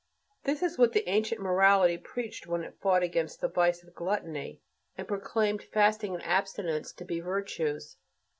This is what the ancient morality preached when it fought against the vice of gluttony and proclaimed fasting and abstinence to be virtues.